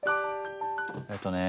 えっとね。